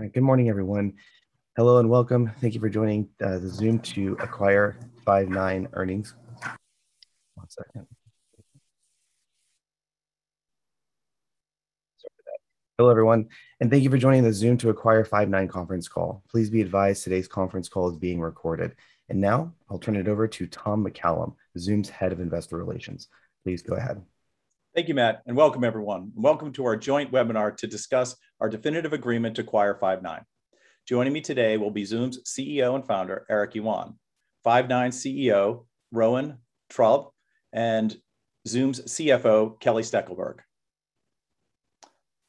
Good morning, everyone. Hello, and welcome. Thank you for joining the Zoom to Acquire Five9 Earnings. One second. Sorry for that. Hello, everyone, and thank you for joining the Zoom to Acquire Five9 conference call. Please be advised today's conference call is being recorded. Now I'll turn it over to Tom McCallum, Zoom's Head of Investor Relations. Please go ahead. Thank you, Matt, and welcome everyone. Welcome to our joint webinar to discuss our definitive agreement to acquire Five9. Joining me today will be Zoom's CEO and founder, Eric Yuan, Five9 CEO, Rowan Trollope, and Zoom's CFO, Kelly Steckelberg.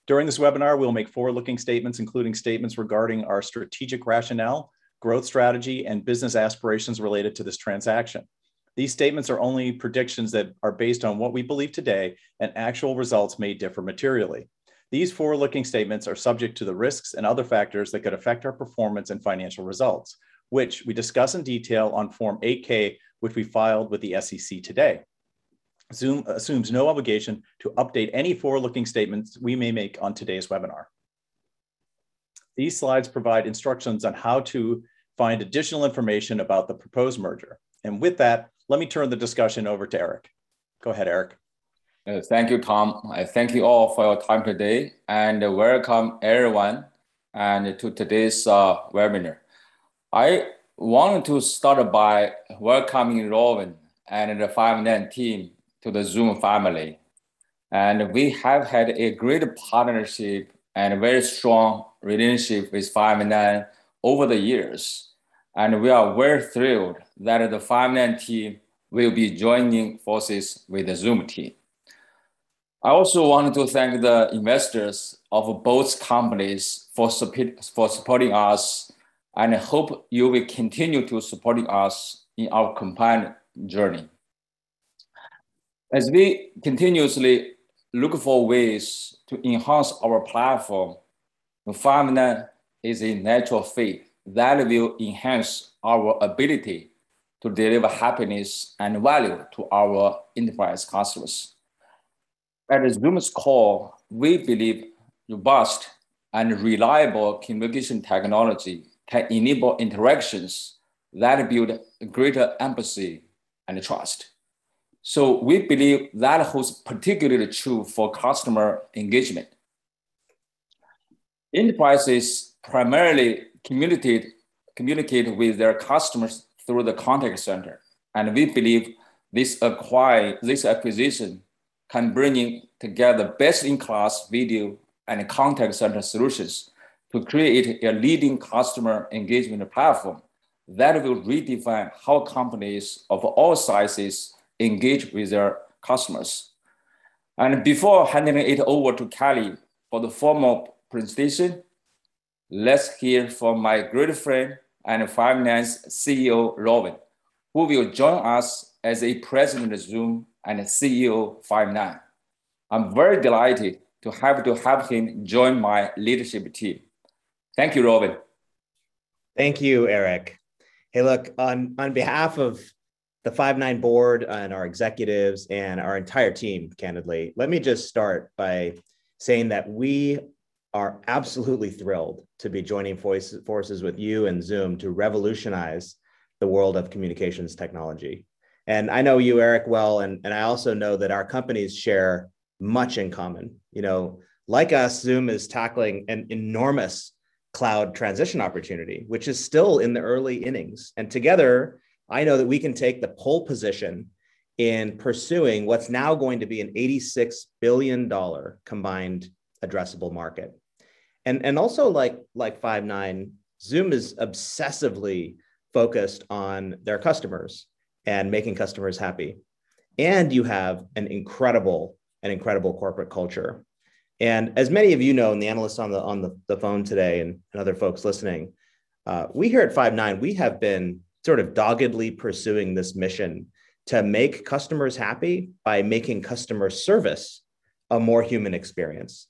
During this webinar, we'll make forward-looking statements, including statements regarding our strategic rationale, growth strategy, and business aspirations related to this transaction. These statements are only predictions that are based on what we believe today. Actual results may differ materially. These forward-looking statements are subject to the risks and other factors that could affect our performance and financial results, which we discuss in detail on Form 8-K, which we filed with the SEC today. Zoom assumes no obligation to update any forward-looking statements we may make on today's webinar. These slides provide instructions on how to find additional information about the proposed merger. With that, let me turn the discussion over to Eric. Go ahead, Eric. Thank you, Tom. Thank you all for your time today. Welcome everyone to today's webinar. I want to start by welcoming Rowan and the Five9 team to the Zoom family. We have had a great partnership and a very strong relationship with Five9 over the years. We are very thrilled that the Five9 team will be joining forces with the Zoom team. I also want to thank the investors of both companies for supporting us. I hope you will continue to supporting us in our combined journey. As we continuously look for ways to enhance our platform, Five9 is a natural fit that will enhance our ability to deliver happiness and value to our enterprise customers. At Zoom's core, we believe robust and reliable communication technology can enable interactions that build greater empathy and trust. We believe that holds particularly true for customer engagement. Enterprises primarily communicate with their customers through the contact center, we believe this acquisition can bring together best-in-class video and contact center solutions to create a leading customer engagement platform that will redefine how companies of all sizes engage with their customers. Before handing it over to Kelly for the formal presentation, let's hear from my great friend and Five9's CEO, Rowan, who will join us as a President of Zoom and CEO of Five9. I'm very delighted to have him join my leadership team. Thank you, Rowan. Thank you, Eric. Hey, look, on behalf of the Five9 board and our executives and our entire team, candidly, let me just start by saying that we are absolutely thrilled to be joining forces with you and Zoom to revolutionize the world of communications technology. I know you, Eric, well, I also know that our companies share much in common. Like us, Zoom is tackling an enormous cloud transition opportunity, which is still in the early innings. Together, I know that we can take the pole position in pursuing what's now going to be an $86 billion combined addressable market. Also like Five9, Zoom is obsessively focused on their customers and making customers happy. You have an incredible corporate culture. As many of you know, and the analysts on the phone today, and other folks listening, we here at Five9, we have been sort of doggedly pursuing this mission to make customers happy by making customer service a more human experience.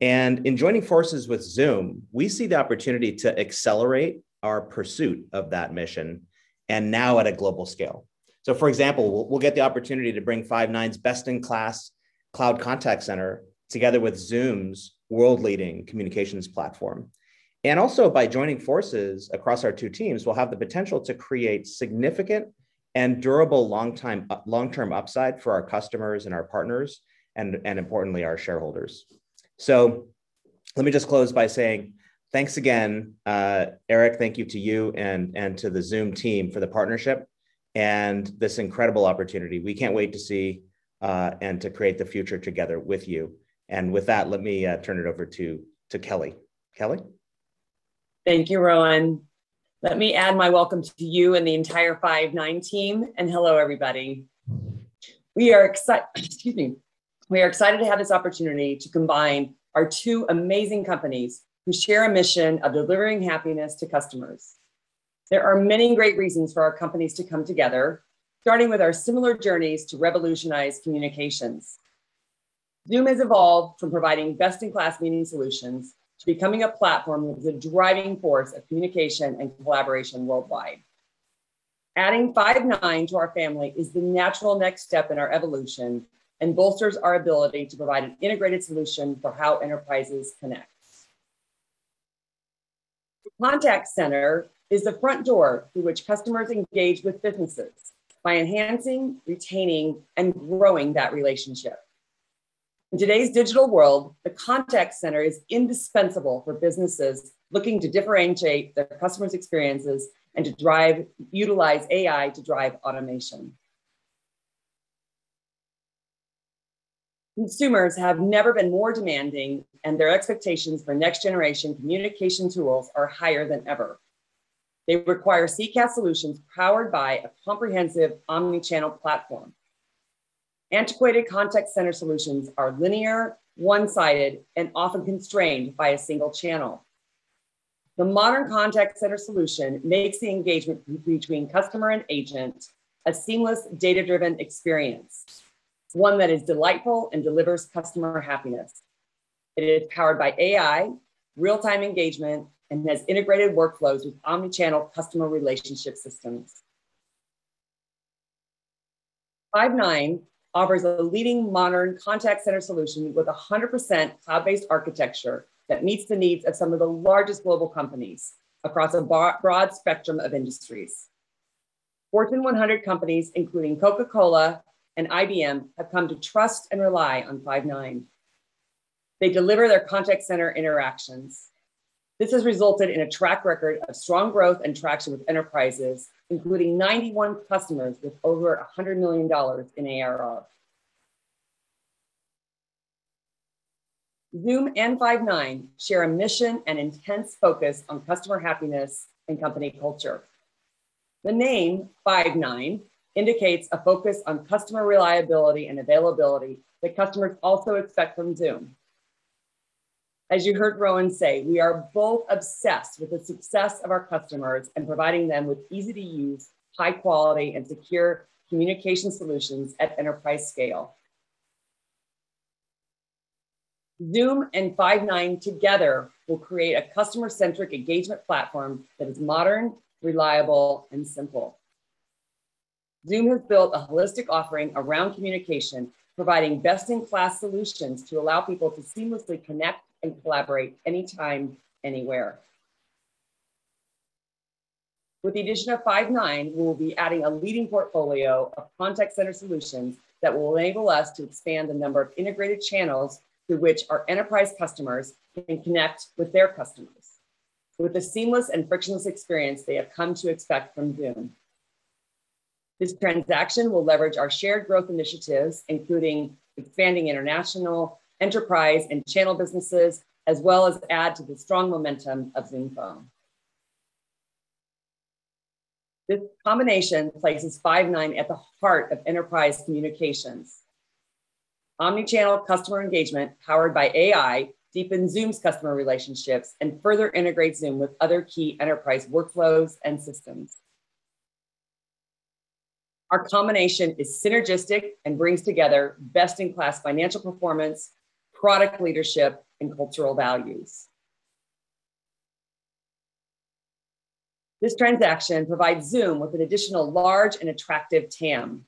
In joining forces with Zoom, we see the opportunity to accelerate our pursuit of that mission, and now at a global scale. For example, we'll get the opportunity to bring Five9's best-in-class cloud contact center together with Zoom's world-leading communications platform. Also by joining forces across our two teams, we'll have the potential to create significant and durable long-term upside for our customers and our partners and, importantly, our shareholders. Let me just close by saying thanks again. Eric, thank you to you and to the Zoom team for the partnership and this incredible opportunity. We can't wait to see and to create the future together with you. With that, let me turn it over to Kelly. Kelly? Thank you, Rowan. Let me add my welcome to you and the entire Five9 team. Hello everybody. We are excited to have this opportunity to combine our two amazing companies who share a mission of delivering happiness to customers. There are many great reasons for our companies to come together, starting with our similar journeys to revolutionize communications. Zoom has evolved from providing best-in-class meeting solutions to becoming a platform that is a driving force of communication and collaboration worldwide. Adding Five9 to our family is the natural next step in our evolution and bolsters our ability to provide an integrated solution for how enterprises connect. The contact center is the front door through which customers engage with businesses by enhancing, retaining, and growing that relationship. In today's digital world, the contact center is indispensable for businesses looking to differentiate their customers' experiences and to utilize AI to drive automation. Consumers have never been more demanding. Their expectations for next-generation communication tools are higher than ever. They require CCaaS solutions powered by a comprehensive omnichannel platform. Antiquated contact center solutions are linear, one-sided, and often constrained by a single channel. The modern contact center solution makes the engagement between customer and agent a seamless, data-driven experience, one that is delightful and delivers customer happiness. It is powered by AI, real-time engagement, and has integrated workflows with omnichannel customer relationship systems. Five9 offers a leading modern contact center solution with 100% cloud-based architecture that meets the needs of some of the largest global companies across a broad spectrum of industries. Fortune 100 companies, including Coca-Cola and IBM, have come to trust and rely on Five9. They deliver their contact center interactions. This has resulted in a track record of strong growth and traction with enterprises, including 91 customers with over $100 million in ARR. Zoom and Five9 share a mission and intense focus on customer happiness and company culture. The name Five9 indicates a focus on customer reliability and availability that customers also expect from Zoom. As you heard Rowan say, we are both obsessed with the success of our customers in providing them with easy to use, high quality, and secure communication solutions at enterprise scale. Zoom and Five9 together will create a customer-centric engagement platform that is modern, reliable, and simple. Zoom has built a holistic offering around communication, providing best-in-class solutions to allow people to seamlessly connect and collaborate anytime, anywhere. With the addition of Five9, we will be adding a leading portfolio of contact center solutions that will enable us to expand the number of integrated channels through which our enterprise customers can connect with their customers with the seamless and frictionless experience they have come to expect from Zoom. This transaction will leverage our shared growth initiatives, including expanding international enterprise and channel businesses, as well as add to the strong momentum of Zoom Phone. This combination places Five9 at the heart of enterprise communications. omnichannel customer engagement powered by AI deepens Zoom's customer relationships and further integrates Zoom with other key enterprise workflows and systems. Our combination is synergistic and brings together best-in-class financial performance, product leadership, and cultural values. This transaction provides Zoom with an additional large and attractive TAM.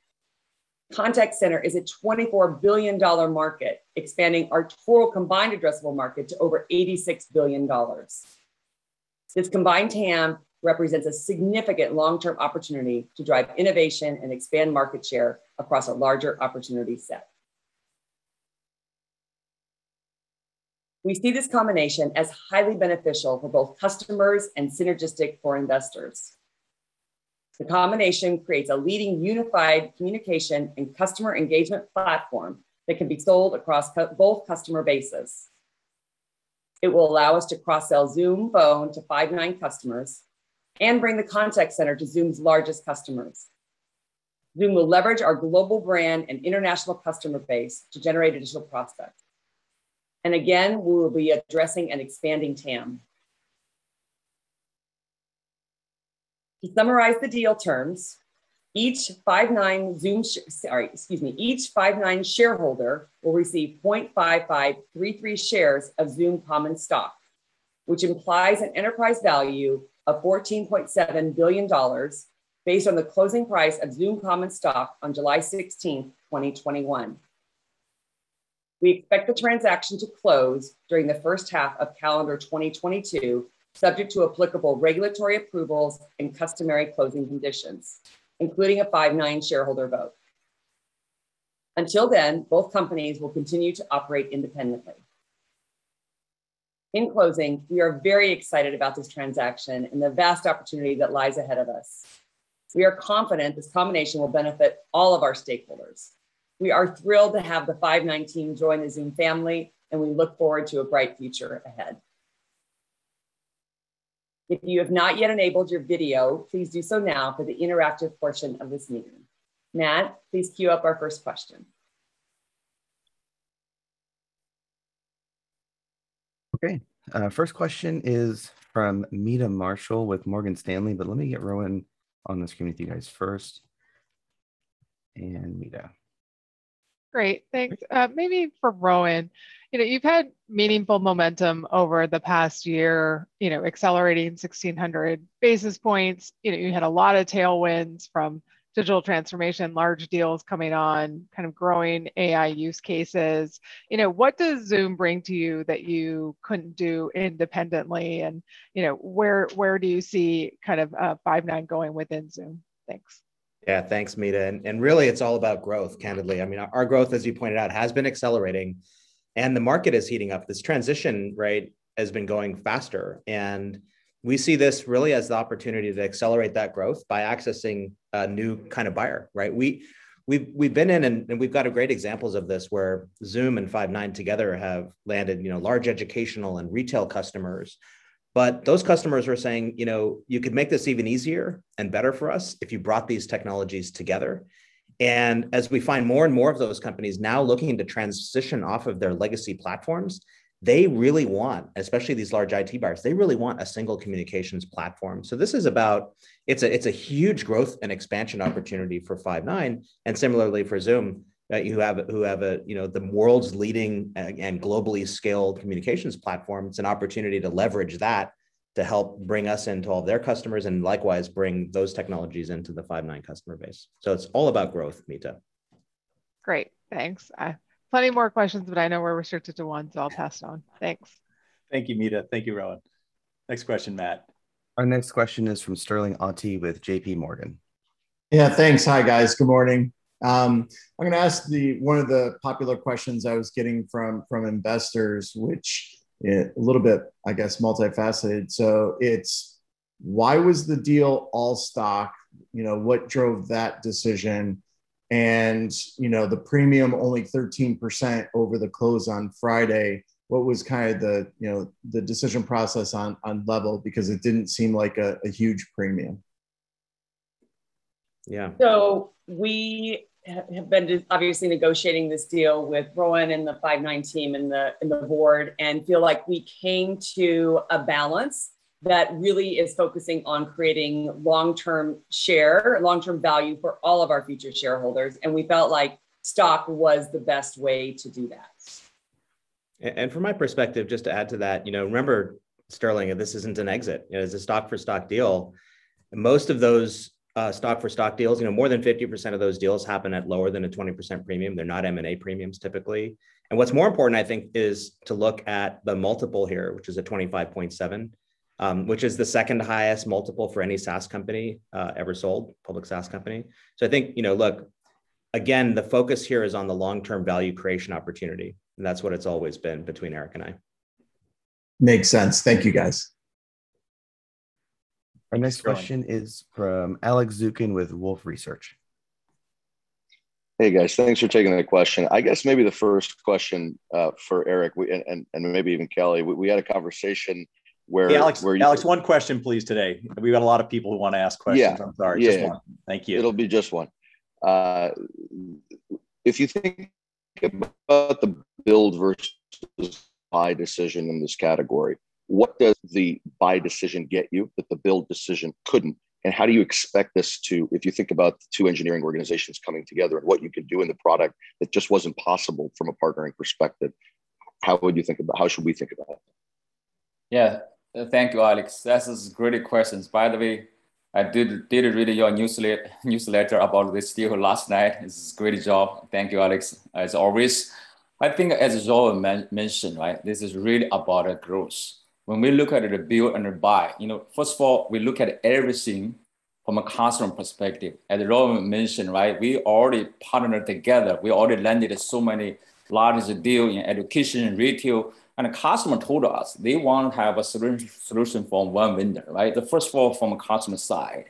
Contact center is a $24 billion market, expanding our total combined addressable market to over $86 billion. This combined TAM represents a significant long-term opportunity to drive innovation and expand market share across a larger opportunity set. We see this combination as highly beneficial for both customers and synergistic for investors. The combination creates a leading unified communication and customer engagement platform that can be sold across both customer bases. It will allow us to cross-sell Zoom Phone to Five9 customers and bring the contact center to Zoom's largest customers. Zoom will leverage our global brand and international customer base to generate additional prospects. Again, we will be addressing an expanding TAM. To summarize the deal terms, each Five9 shareholder will receive 0.5533 shares of Zoom common stock, which implies an enterprise value of $14.7 billion based on the closing price of Zoom common stock on July 16th, 2021. We expect the transaction to close during the first half of calendar 2022, subject to applicable regulatory approvals and customary closing conditions, including a Five9 shareholder vote. Until then, both companies will continue to operate independently. In closing, we are very excited about this transaction and the vast opportunity that lies ahead of us. We are confident this combination will benefit all of our stakeholders. We are thrilled to have the Five9 team join the Zoom family, and we look forward to a bright future ahead. If you have not yet enabled your video, please do so now for the interactive portion of this meeting. Matt, please queue up our first question. Okay. First question is from Meta Marshall with Morgan Stanley, let me get Rowan on the screen with you guys first. Meta. Great. Thanks. Maybe for Rowan. You've had meaningful momentum over the past year, accelerating 1,600 basis points. You had a lot of tailwinds from digital transformation, large deals coming on, growing AI use cases. What does Zoom bring to you that you couldn't do independently, and where do you see Five9 going within Zoom? Thanks. Yeah. Thanks, Meta, really, it's all about growth, candidly. Our growth, as you pointed out, has been accelerating and the market is heating up. This transition has been going faster, and we see this really as the opportunity to accelerate that growth by accessing a new kind of buyer. We've been in, and we've got great examples of this, where Zoom and Five9 together have landed large educational and retail customers. Those customers are saying, "You could make this even easier and better for us if you brought these technologies together." As we find more and more of those companies now looking to transition off of their legacy platforms, they really want, especially these large IT buyers, they really want a single communications platform. It's a huge growth and expansion opportunity for Five9 and similarly for Zoom, who have the world's leading and globally scaled communications platform. It's an opportunity to leverage that to help bring us into all their customers and likewise bring those technologies into the Five9 customer base. It's all about growth, Meta. Great. Thanks. Plenty more questions, but I know we're restricted to one, so I'll pass on. Thanks. Thank you, Meta Marshall. Thank you, Rowan. Next question, Matt. Our next question is from Sterling Auty with JPMorgan. Yeah, thanks. Hi, guys. Good morning. I'm going to ask one of the popular questions I was getting from investors, which a little bit, I guess, multifaceted. It's why was the deal all stock? What drove that decision? The premium only 13% over the close on Friday. What was the decision process on level, because it didn't seem like a huge premium. Yeah. We have been obviously negotiating this deal with Rowan and the Five9 team and the board and feel like we came to a balance that really is focusing on creating long-term share, long-term value for all of our future shareholders, and we felt like stock was the best way to do that. From my perspective, just to add to that, remember, Sterling, this isn't an exit. It's a stock-for-stock deal, and most of those stock-for-stock deals, more than 50% of those deals happen at lower than a 20% premium. They're not M&A premiums typically. What's more important, I think, is to look at the multiple here, which is a 25.7, which is the second highest multiple for any SaaS company ever sold, public SaaS company. I think, look, again, the focus here is on the long-term value creation opportunity, and that's what it's always been between Eric and I. Makes sense. Thank you, guys. Our next question is from Alex Zukin with Wolfe Research. Hey, guys. Thanks for taking the question. I guess maybe the first question for Eric, and maybe even Kelly, we had a conversation where. Hey, Alex, one question please today. We've got a lot of people who want to ask questions. Yeah. I'm sorry. Just one. Thank you. It'll be just one. If you think about the build versus buy decision in this category, what does the buy decision get you that the build decision couldn't? If you think about the two engineering organizations coming together and what you could do in the product that just wasn't possible from a partnering perspective, how should we think about that? Yeah. Thank you, Alex. That's a great question. By the way, I did read your newsletter about this deal last night. It's a great job. Thank you, Alex, as always. I think as Rowan mentioned, this is really about growth. When we look at the build and the buy, first of all, we look at everything from a customer perspective. As Rowan mentioned, we already partnered together. We already landed so many large deals in education and retail, and the customer told us they want to have a solution from one vendor. First of all, from a customer side.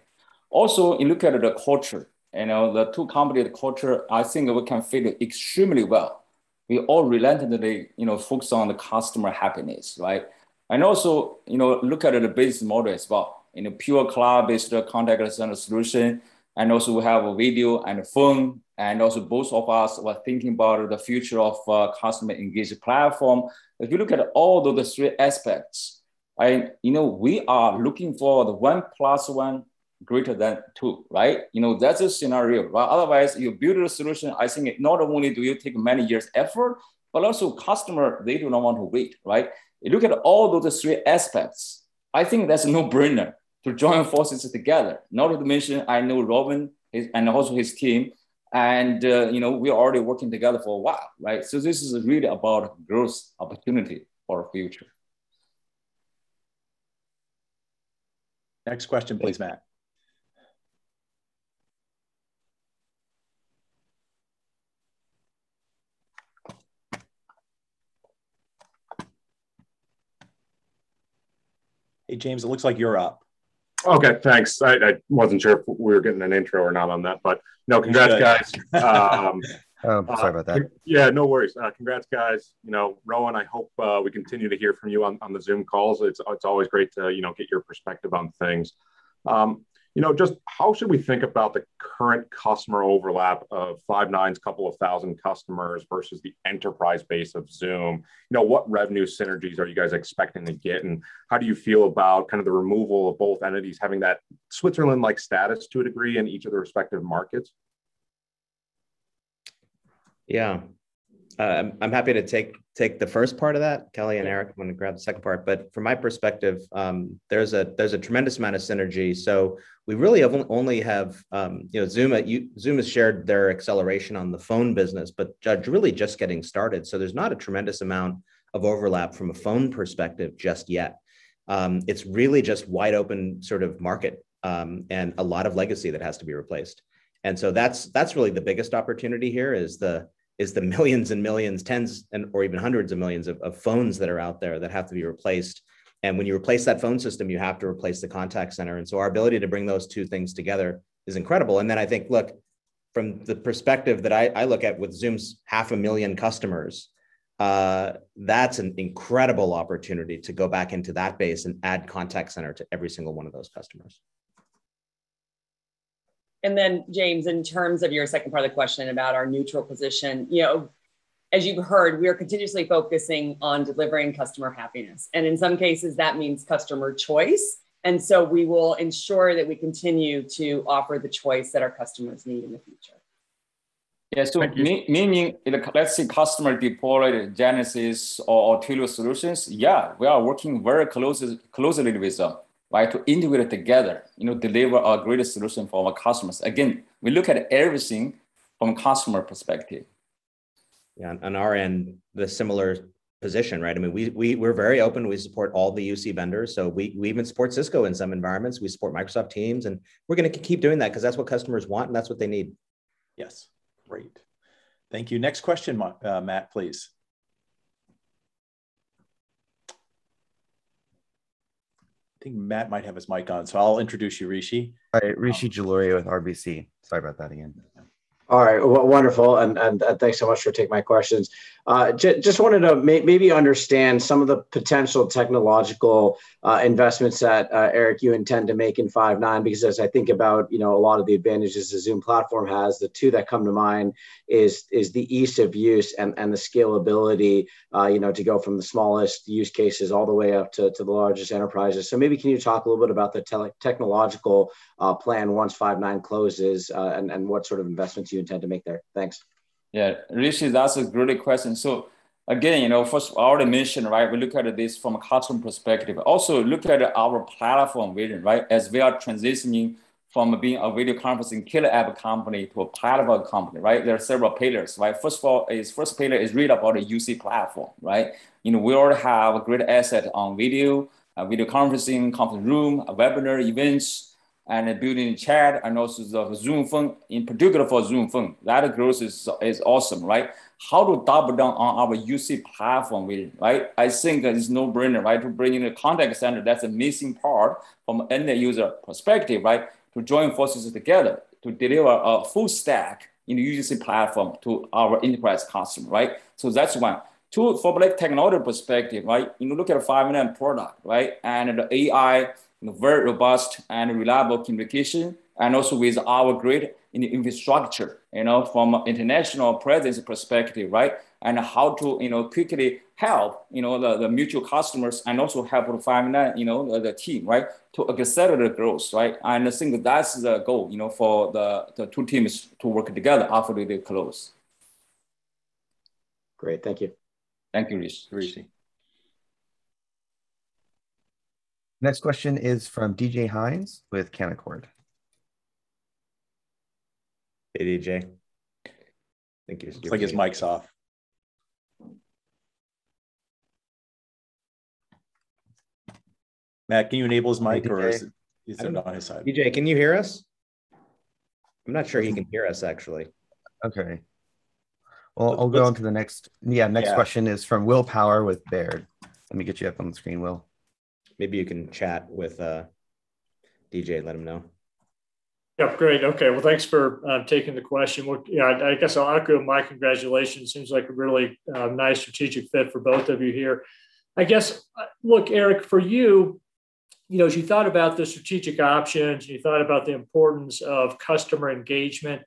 Also, you look at the culture, the two company culture, I think we can fit extremely well. We all relentlessly focus on the customer happiness. Look at the business model as well. In a pure cloud-based contact center solution, also we have a video and a phone, also both of us were thinking about the future of customer engagement platform. If you look at all those three aspects, we are looking for the one plus one greater than two. That's a scenario. Otherwise, you build a solution, I think not only do you take many years effort, but also customer, they do not want to wait. You look at all those three aspects, I think that's a no-brainer to join forces together. Not to mention, I know Rowan also his team, we're already working together for a while. This is really about growth opportunity for future. Next question please, Matt. Hey, James, it looks like you're up. Okay, thanks. I wasn't sure if we were getting an intro or not on that. No, congrats, guys. Oh, I'm sorry about that. Yeah, no worries. Congrats, guys. Rowan, I hope we continue to hear from you on the Zoom calls. It's always great to get your perspective on things. Just how should we think about the current customer overlap of Five9's couple of thousand customers versus the enterprise base of Zoom? What revenue synergies are you guys expecting to get, and how do you feel about the removal of both entities having that Switzerland-like status to a degree in each of the respective markets? Yeah. I'm happy to take the first part of that. Kelly and Eric want to grab the second part. From my perspective, there's a tremendous amount of synergy. Zoom has shared their acceleration on the phone business, but they're really just getting started. There's not a tremendous amount of overlap from a phone perspective just yet. It's really just wide open market, and a lot of legacy that has to be replaced. That's really the biggest opportunity here is the millions and millions, tens or even hundreds of millions of phones that are out there that have to be replaced. When you replace that phone system, you have to replace the contact center. Our ability to bring those two things together is incredible. I think, look, from the perspective that I look at with Zoom's half a million customers, that's an incredible opportunity to go back into that base and add contact center to every single one of those customers. James, in terms of your second part of the question about our neutral position, as you've heard, we are continuously focusing on delivering customer happiness. In some cases, that means customer choice. We will ensure that we continue to offer the choice that our customers need in the future. Yeah. Meaning, let's say customer deploy Genesys or Twilio solutions, yeah, we are working very closely with them, right? To integrate it together, deliver a greater solution for our customers. Again, we look at everything from customer perspective. Yeah. On our end, the similar position, right? We're very open. We support all the UC vendors. We even support Cisco in some environments. We support Microsoft Teams, and we're going to keep doing that because that's what customers want, and that's what they need. Yes. Great. Thank you. Next question, Matt, please. I think Matt might have his mic on, so I'll introduce you, Rishi. Hi. Rishi Jaluria with RBC. Sorry about that again. All right. Well, wonderful. Thanks so much for taking my questions. Just wanted to maybe understand some of the potential technological investments that, Eric, you intend to make in Five9, because as I think about a lot of the advantages the Zoom platform has, the two that come to mind is the ease of use and the scalability to go from the smallest use cases all the way up to the largest enterprises. Maybe can you talk a little bit about the technological plan once Five9 closes, and what sort of investments you intend to make there? Thanks. Rishi, that's a great question. Again, first, I already mentioned, right, we look at this from a customer perspective. Also, look at our platform vision, right? As we are transitioning from being a video conferencing killer app company to a platform company, right, there are several pillars, right? First pillar is really about a UC platform, right? We already have a great asset on video conferencing, conference room, webinar events, and build-in chat, and also the Zoom Phone. In particular for Zoom Phone, that growth is awesome, right? How to double down on our UC platform vision, right? I think that it's no-brainer, right, to bring in a contact center that's a missing part from end-user perspective, right? To join forces together to deliver a full stack in the UC platform to our enterprise customer, right? That's one. Two, from technology perspective, right, you look at a Five9 product, right, and the AI, very robust and reliable communication, and also with our great infrastructure from international presence perspective, right? How to quickly help the mutual customers and also help Five9, the team, right, to accelerate growth, right? I think that's the goal, for the two teams to work together after they close. Great. Thank you. Thank you, Rishi. Next question is from DJ Hynes with Canaccord. Hey, DJ. I think his mic's off. Matt, can you enable his mic or is it on his side? DJ, can you hear us? I'm not sure he can hear us, actually. Okay. Well, I'll go on to the next. Yeah. Next question is from Will Power with Baird. Let me get you up on the screen, Will. Maybe you can chat with DJ and let him know. Yep. Great. Okay. Thanks for taking the question. I guess I'll echo my congratulations. Seems like a really nice strategic fit for both of you here. Eric, for you, as you thought about the strategic options and you thought about the importance of customer engagement,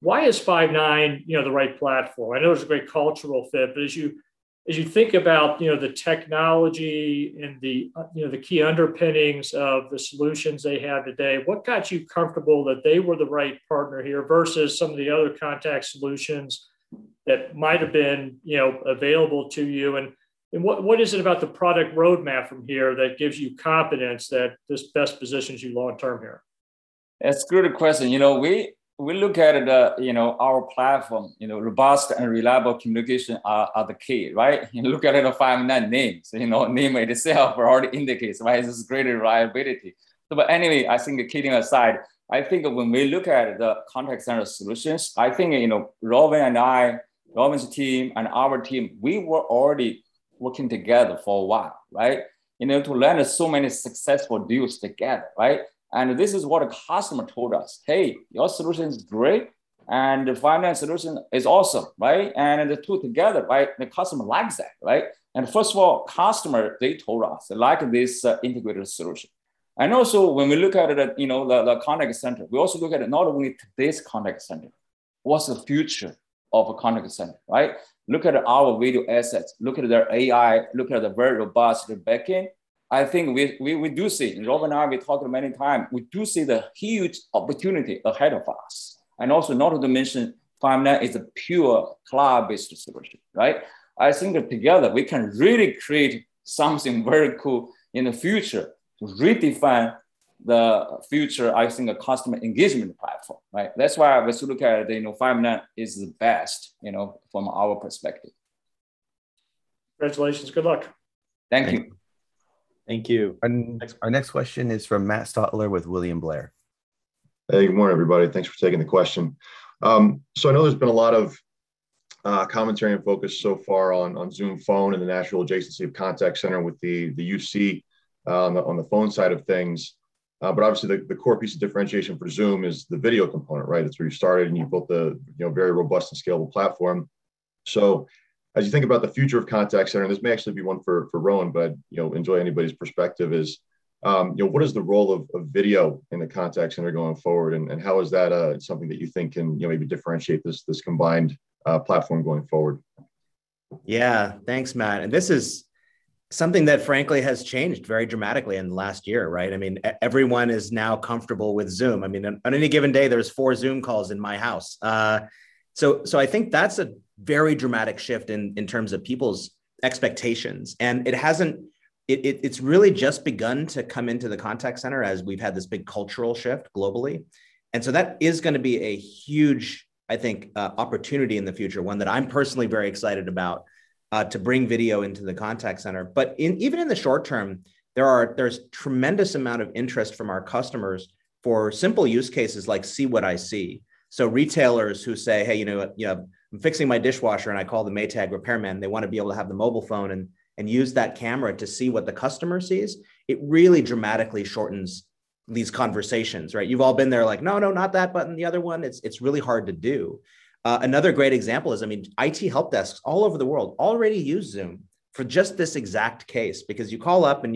why is Five9 the right platform? I know it's a great cultural fit, as you think about the technology and the key underpinnings of the solutions they have today, what got you comfortable that they were the right partner here versus some of the other contact solutions that might have been available to you, and what is it about the product roadmap from here that gives you confidence that this best positions you long term here? That's a good question. We look at our platform, robust and reliable communication are the key. You look at the Five9 name. Name itself already indicates, right, this greater reliability. Anyway, I think kidding aside, I think when we look at the contact center solutions, I think Rowan and I, Rowan's team and our team, we were already working together for a while. To land so many successful deals together. This is what a customer told us, "Hey, your solution's great, and the Five9 solution is awesome." The two together, right, the customer likes that. First of all, customer, they told us they like this integrated solution. Also, when we look at the contact center, we also look at not only today's contact center, what's the future of a contact center. Look at our video assets, look at their AI, look at the very robust backend. I think we do see, and Rowan and I, we talked many times, we do see the huge opportunity ahead of us. Also, not to mention, Five9 is a pure cloud-based solution. I think that together we can really create something very cool in the future to redefine the future, I think, customer engagement platform. That's why we still look at it, Five9 is the best from our perspective. Congratulations. Good luck. Thank you. Thank you. Our next question is from Matt Stotler with William Blair. Hey, good morning, everybody. Thanks for taking the question. I know there's been a lot of commentary and focus so far on Zoom Phone and the natural adjacency of contact center with the UC on the phone side of things. Obviously, the core piece of differentiation for Zoom is the video component, right? It's where you started, and you built the very robust and scalable platform. As you think about the future of contact center, and this may actually be one for Rowan, but enjoy anybody's perspective is, what is the role of video in the contact center going forward, and how is that something that you think can maybe differentiate this combined platform going forward? Thanks, Matt, this is something that frankly has changed very dramatically in the last year, right? Everyone is now comfortable with Zoom. On any given day, there's four Zoom calls in my house. I think that's a very dramatic shift in terms of people's expectations. It's really just begun to come into the contact center as we've had this big cultural shift globally. That is going to be a huge, I think, opportunity in the future, one that I'm personally very excited about, to bring video into the contact center. Even in the short term, there's tremendous amount of interest from our customers for simple use cases like See What I See. Retailers who say, "Hey, I'm fixing my dishwasher," and I call the Maytag repairman, they want to be able to have the mobile phone and use that camera to see what the customer sees. It really dramatically shortens these conversations, right? You've all been there like, "No, no, not that button, the other one." It's really hard to do. Another great example is, IT help desks all over the world already use Zoom for just this exact case. You call up and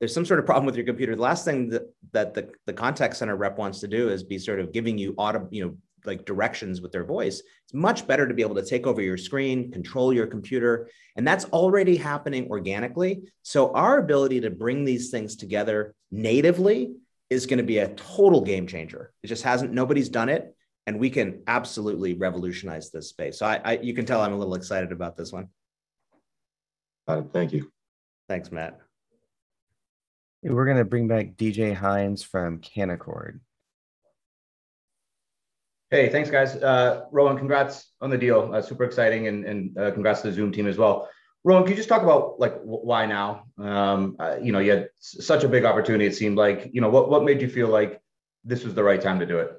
there's some sort of problem with your computer. The last thing that the contact center rep wants to do is be giving you directions with their voice. It's much better to be able to take over your screen, control your computer, and that's already happening organically. Our ability to bring these things together natively is going to be a total game changer. Nobody's done it, and we can absolutely revolutionize this space. You can tell I'm a little excited about this one. Got it. Thank you. Thanks, Matt. We're going to bring back DJ Hynes from Canaccord. Hey, thanks, guys. Rowan, congrats on the deal, super exciting, and congrats to the Zoom team as well. Rowan, can you just talk about why now? You had such a big opportunity it seemed like. What made you feel like this was the right time to do it?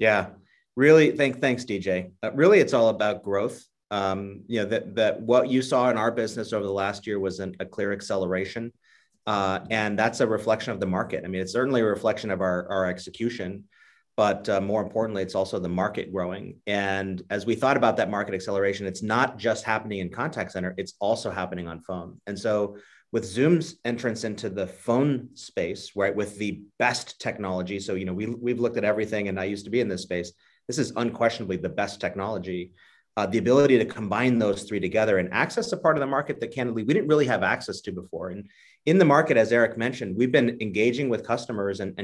Thanks, DJ. Really, it's all about growth. That what you saw in our business over the last year was a clear acceleration, and that's a reflection of the market. It's certainly a reflection of our execution. More importantly, it's also the market growing. As we thought about that market acceleration, it's not just happening in contact center, it's also happening on phone. With Zoom's entrance into the phone space, with the best technology, so we've looked at everything and I used to be in this space. This is unquestionably the best technology. The ability to combine those three together and access a part of the market that candidly, we didn't really have access to before. In the market, as Eric mentioned, we've been engaging with customers and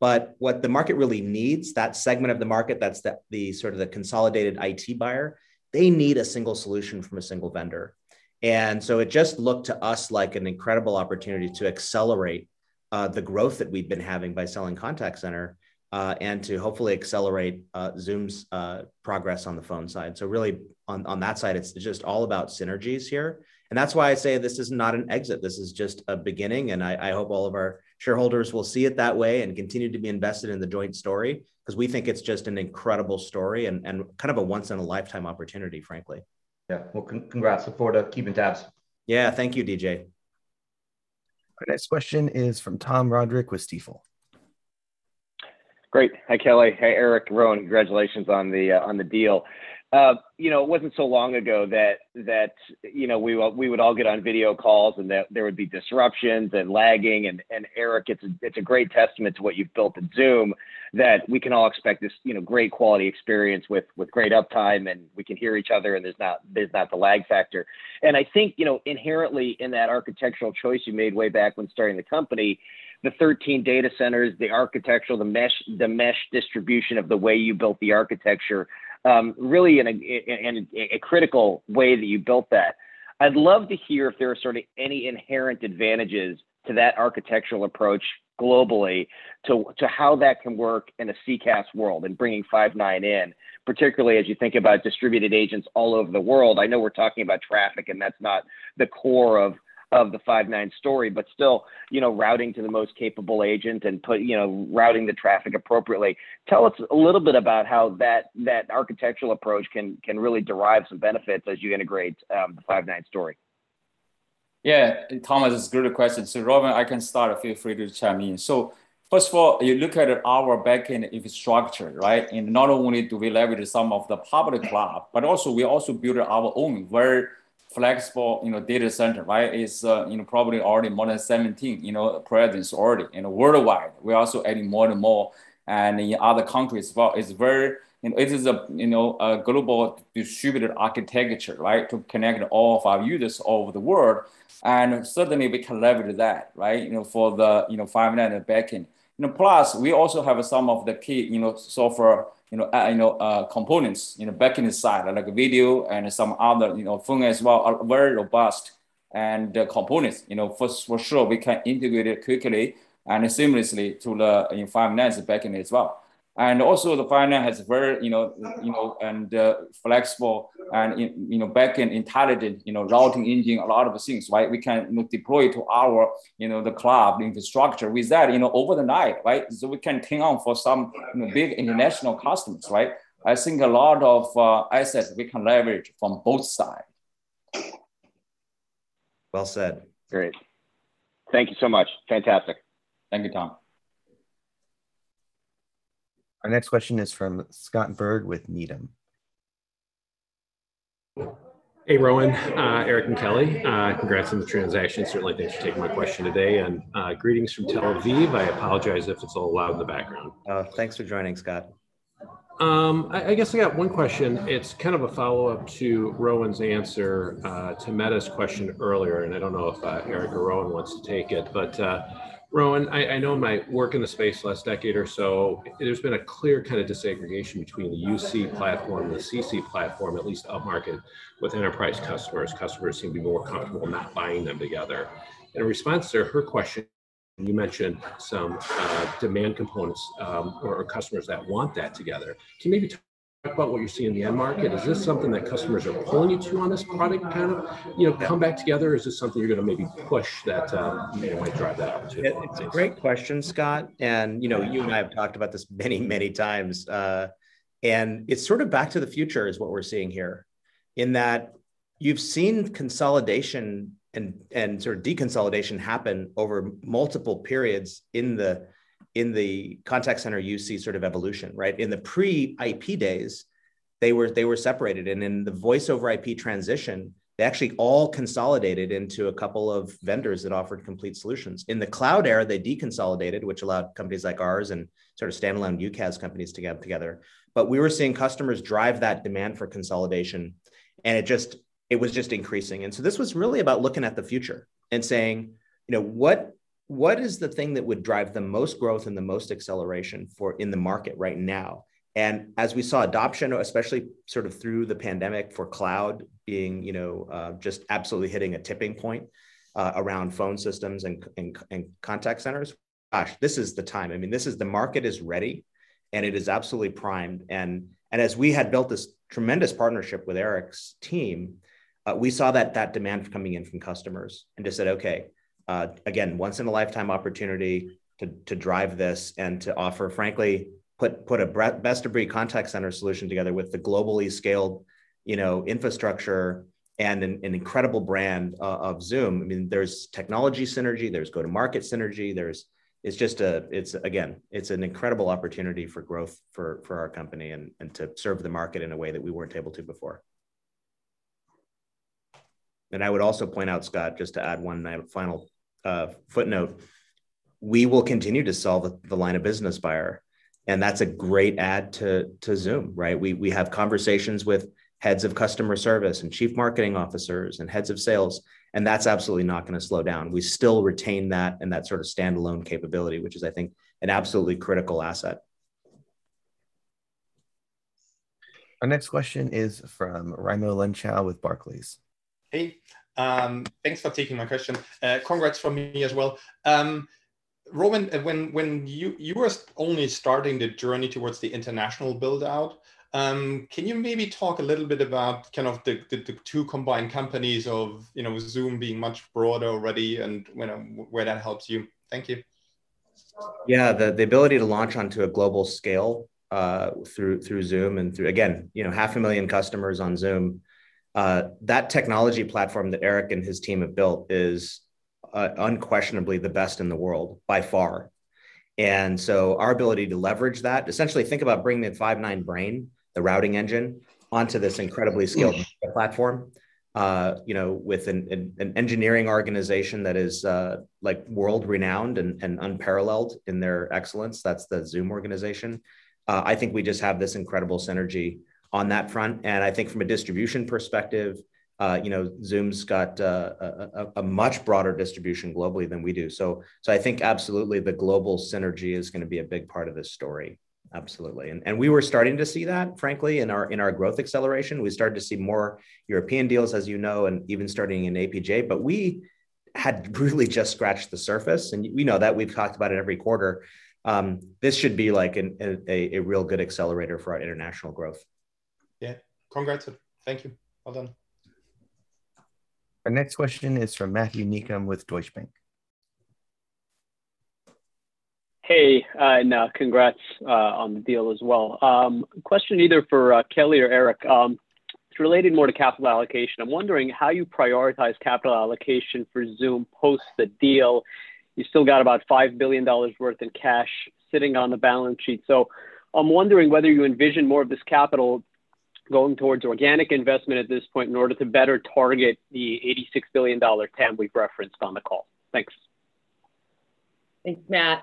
co-selling. What the market really needs, that segment of the market, the consolidated IT buyer, they need a single solution from a single vendor. It just looked to us like an incredible opportunity to accelerate the growth that we've been having by selling contact center, and to hopefully accelerate Zoom's progress on the phone side. Really, on that side, it's just all about synergies here. That's why I say this is not an exit, this is just a beginning, and I hope all of our shareholders will see it that way and continue to be invested in the joint story, because we think it's just an incredible story and a once in a lifetime opportunity, frankly. Yeah. Well, congrats. Look forward to keeping tabs. Yeah. Thank you, DJ. Our next question is from Tom Roderick with Stifel. Great. Hi, Kelly. Hey, Eric, Rowan. Congratulations on the deal. It wasn't so long ago that we would all get on video calls, and there would be disruptions and lagging. Eric, it's a great testament to what you've built at Zoom that we can all expect this great quality experience with great uptime, and we can hear each other, and there's not the lag factor. I think, inherently in that architectural choice you made way back when starting the company, the 13 data centers, the architectural, the mesh distribution of the way you built the architecture, really a critical way that you built that. I'd love to hear if there are any inherent advantages to that architectural approach globally to how that can work in a CCaaS world and bringing Five9 in, particularly as you think about distributed agents all over the world. I know we're talking about traffic, and that's not the core of the Five9 story, but still, routing to the most capable agent and routing the traffic appropriately. Tell us a little bit about how that architectural approach can really derive some benefits as you integrate the Five9 story. Tom, it's a good question. Rowan, I can start. Feel free to chime in. First of all, you look at our backend infrastructure. Not only do we leverage some of the public cloud, but also we also build our own very-flexible data center. It's probably already more than 17 presence already worldwide. We're also adding more and more in other countries as well. It is a global distributed architecture to connect all of our users all over the world, and certainly we leverage that for the Five9 backing. Plus, we also have some of the key software components in the backend side, like video and some other function as well, are very robust. The components, for sure, we can integrate it quickly and seamlessly to the Five9's backend as well. Also the Five9 has very flexible and backend intelligent routing engine. We can deploy to our cloud infrastructure with that over the night. We can hang on for some big international customers. I think a lot of assets we can leverage from both sides. Well said. Great. Thank you so much. Fantastic. Thank you, Tom. Our next question is from Scott Berg with Needham. Hey, Rowan, Eric, and Kelly. Congrats on the transaction. Certainly thanks for taking my question today, and greetings from Tel Aviv. I apologize if it's a little loud in the background. Thanks for joining, Scott. I guess I got one question. It's kind of a follow-up to Rowan's answer to Meta's question earlier. I don't know if Eric or Rowan wants to take it. Rowan, I know in my work in the space the last decade or so, there's been a clear kind of disaggregation between the UC platform and the CC platform, at least up market with enterprise customers. Customers seem to be more comfortable not buying them together. In response to her question, you mentioned some demand components or customers that want that together. Can you maybe talk about what you see in the end market? Is this something that customers are pulling you to on this product, kind of come back together, or is this something you're going to maybe push that you might drive that opportunity? It's a great question, Scott, and you and I have talked about this many, many times. It's sort of back to the future is what we're seeing here, in that you've seen consolidation and sort of deconsolidation happen over multiple periods in the Contact Center UC sort of evolution. In the pre-IP days, they were separated. In the Voice over IP transition, they actually all consolidated into a couple of vendors that offered complete solutions. In the cloud era, they deconsolidated, which allowed companies like ours and sort of standalone UCaaS companies to get together. We were seeing customers drive that demand for consolidation, and it was just increasing. This was really about looking at the future and saying, "What is the thing that would drive the most growth and the most acceleration in the market right now?" As we saw adoption, especially sort of through the pandemic for cloud being just absolutely hitting a tipping point around phone systems and contact centers. Gosh, this is the time. The market is ready, and it is absolutely primed. As we had built this tremendous partnership with Eric's team, we saw that demand coming in from customers and just said, "Okay," again, once in a lifetime opportunity to drive this and to offer, frankly, put a best-of-breed contact center solution together with the globally scaled infrastructure and an incredible brand of Zoom. There's technology synergy, there's go-to-market synergy. Again, it's an incredible opportunity for growth for our company and to serve the market in a way that we weren't able to before. I would also point out, Scott, just to add one final footnote. We will continue to sell the line of business buyer, and that's a great add to Zoom. We have conversations with heads of customer service and chief marketing officers and heads of sales, and that's absolutely not going to slow down. We still retain that and that sort of standalone capability, which is, I think, an absolutely critical asset. Our next question is from Raimo Lenschow with Barclays. Hey. Thanks for taking my question. Congrats from me as well. Rowan, when you were only starting the journey towards the international build-out, can you maybe talk a little bit about kind of the two combined companies of Zoom being much broader already and where that helps you? Thank you. Yeah, the ability to launch onto a global scale through Zoom and through, again, half a million customers on Zoom. That technology platform that Eric and his team have built is unquestionably the best in the world by far. Our ability to leverage that, essentially think about bringing the Five9 brain, the routing engine, onto this incredibly scaled platform with an engineering organization that is world-renowned and unparalleled in their excellence. That's the Zoom organization. I think we just have this incredible synergy on that front. I think from a distribution perspective, Zoom's got a much broader distribution globally than we do. I think absolutely the global synergy is going to be a big part of this story. Absolutely. We were starting to see that, frankly, in our growth acceleration. We started to see more European deals, as you know, and even starting in APJ. We had really just scratched the surface, and we know that. We've talked about it every quarter. This should be a real good accelerator for our international growth. Yeah. Congrats. Thank you. Well done. Our next question is from Matthew Niknam with Deutsche Bank. Hey, congrats on the deal as well. Question either for Kelly or Eric. It's related more to capital allocation. I'm wondering how you prioritize capital allocation for Zoom post the deal. You still got about $5 billion worth in cash sitting on the balance sheet. I'm wondering whether you envision more of this capital going towards organic investment at this point in order to better target the $86 billion TAM we've referenced on the call. Thanks. Thanks, Matt.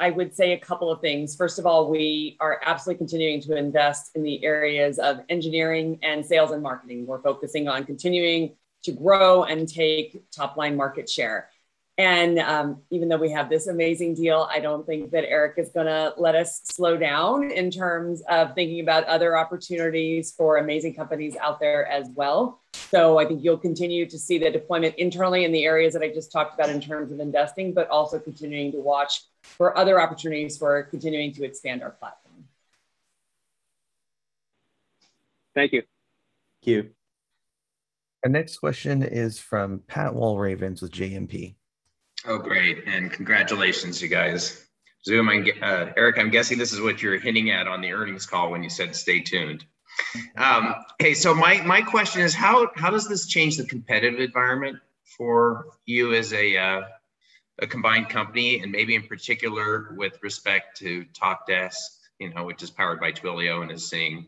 I would say a couple of things. First of all, we are absolutely continuing to invest in the areas of engineering and sales and marketing. We're focusing on continuing to grow and take top-line market share. Even though we have this amazing deal, I don't think that Eric is going to let us slow down in terms of thinking about other opportunities for amazing companies out there as well. I think you'll continue to see the deployment internally in the areas that I just talked about in terms of investing, but also continuing to watch for other opportunities for continuing to expand our platform. Thank you. Thank you. Our next question is from Pat Walravens with JMP. Oh, great, and congratulations you guys. Zoom and Eric, I'm guessing this is what you were hinting at on the earnings call when you said stay tuned. Okay, my question is how does this change the competitive environment for you as a combined company, and maybe in particular with respect to Talkdesk, which is powered by Twilio, and is seeing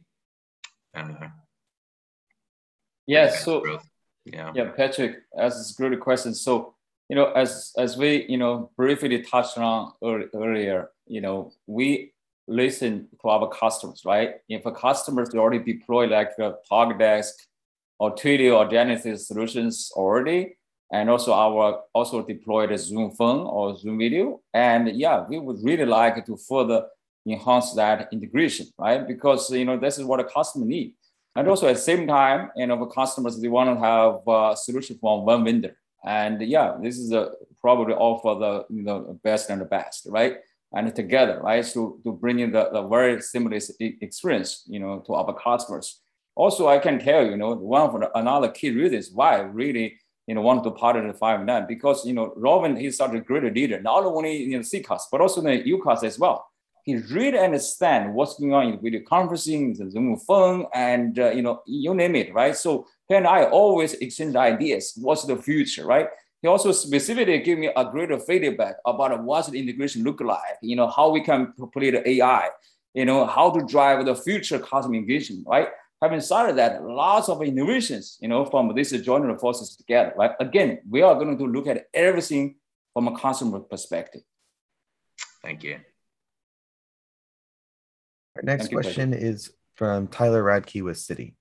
I don't know? Yes. Growth. Yeah. Yeah. Pat, that's a great question. As we briefly touched on earlier, we listen to our customers, right? If a customer's already deployed Talkdesk or Twilio or Genesys Solutions already, and also deployed Zoom Phone or Zoom Video, and yeah, we would really like to further enhance that integration, right? This is what a customer needs. Also at the same time, our customers, they want to have a solution from one vendor. Yeah, this is probably offer the best and the best, right? Together, right, to bring in the very similar experience to our customers. I can tell you, one of another key reasons why I really want to partner with Five9 because Rowan, he's such a great leader, not only in CCaaS, but also in UCaaS as well. He really understands what's going on with the conferencing, the Zoom Phone, and you name it, right? And I always exchange ideas, what's the future, right? He also specifically gave me a great feedback about what's the integration look like, how we can compete AI, how to drive the future customer vision, right? Having said that, lots of innovations from this joining forces together, right? Again, we are going to look at everything from a customer perspective. Thank you. Our next question is from Tyler Radke with Citi.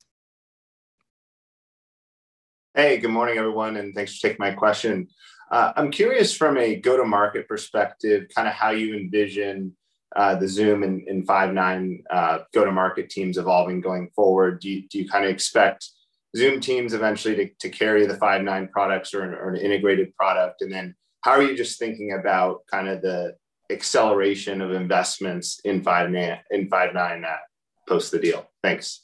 Hey, good morning, everyone. Thanks for taking my question. I'm curious from a go-to-market perspective, how you envision the Zoom and Five9 go-to-market teams evolving going forward? Do you expect Zoom teams eventually to carry the Five9 products or an integrated product? How are you just thinking about the acceleration of investments in Five9 post the deal? Thanks.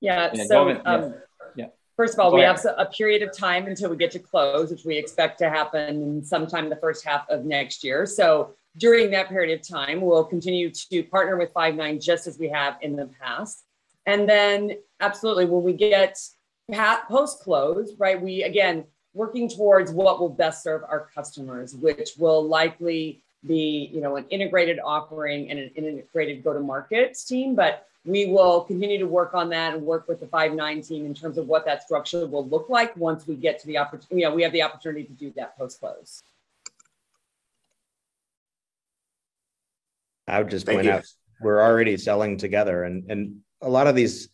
Yeah. Rowan? Yeah. First of all, we have a period of time until we get to close, which we expect to happen sometime in the first half of next year. During that period of time, we'll continue to partner with Five9 just as we have in the past. Absolutely when we get post-close, right, we, again, working towards what will best serve our customers, which will likely be an integrated offering and an integrated go-to-market team. We will continue to work on that and work with the Five9 team in terms of what that structure will look like once we have the opportunity to do that post-close. I would just point out. Thank you. We're already selling together. A lot of these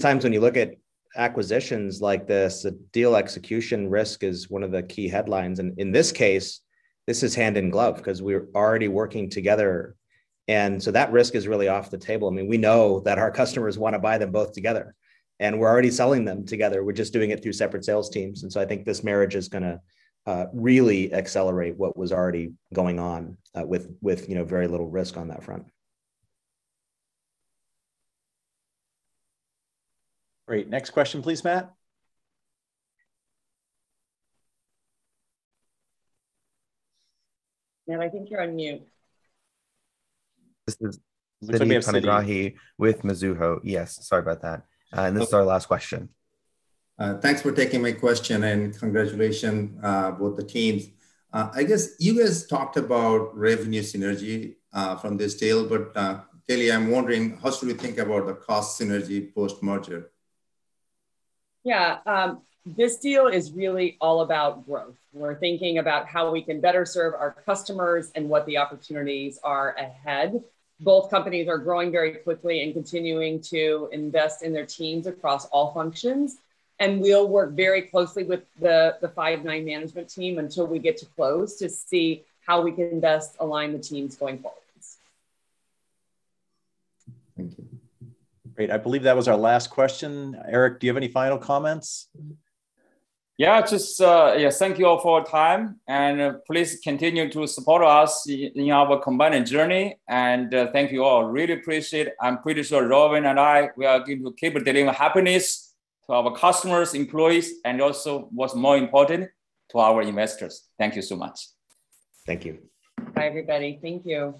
times when you look at acquisitions like this, the deal execution risk is one of the key headlines. In this case, this is hand in glove because we're already working together. That risk is really off the table. We know that our customers want to buy them both together. We're already selling them together. We're just doing it through separate sales teams. I think this marriage is going to really accelerate what was already going on, with very little risk on that front. Great. Next question please, Matt. Matt, I think you're on mute. This is Siti Panigrahi with Mizuho. Yes, sorry about that. This is our last question. Thanks for taking my question and congratulations both the teams. I guess you guys talked about revenue synergy from this deal, but clearly I'm wondering how should we think about the cost synergy post-merger? Yeah. This deal is really all about growth. We're thinking about how we can better serve our customers and what the opportunities are ahead. Both companies are growing very quickly and continuing to invest in their teams across all functions, and we'll work very closely with the Five9 management team until we get to close to see how we can best align the teams going forwards. Thank you. Great. I believe that was our last question. Eric, do you have any final comments? Yeah, just thank you all for your time. Please continue to support us in our combining journey. Thank you all. I really appreciate. I'm pretty sure Rowan and I, we are going to keep delivering happiness to our customers, employees, and also what's more important, to our investors. Thank you so much. Thank you. Bye everybody. Thank you.